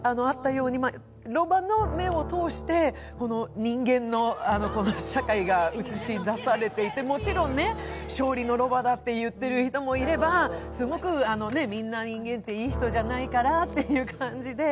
ロバの目を通して、人間の社会が映し出されていて、もちろん勝利のロバだって言っている人もいれば、すごくみんな人間っていい人じゃないからという感じで。